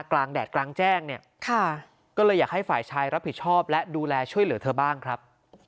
แดดกลางแจ้งเนี่ยก็เลยอยากให้ฝ่ายชายรับผิดชอบและดูแลช่วยเหลือเธอบ้างครับ